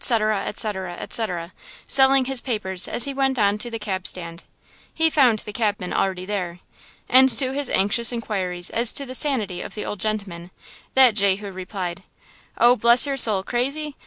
etc., etc., selling his papers as he went on to the cab stand. He found the cabman already there. And to his anxious inquires as to the sanity of the old gentleman, that Jehu replied: "Oh, bless your soul, crazy?